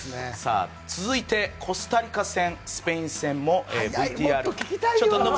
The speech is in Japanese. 続いて、コスタリカ戦もスペイン戦もＶＴＲを。